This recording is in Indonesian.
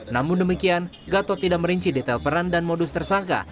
namun demikian gatot tidak merinci detail peran dan modus tersangka